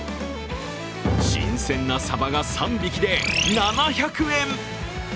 新鮮なサバが３匹で７００円。